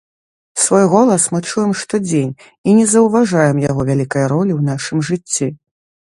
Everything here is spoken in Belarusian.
Свой голас мы чуем штодзень і не заўважаем яго вялікай ролі ў нашым жыцці.